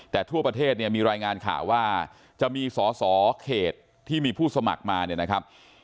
แต่ทั่วประเทศมีรายงานข่าวว่าจะมีส่อเขตที่มีผู้สมัครมา